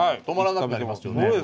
止まらなくなりますよね。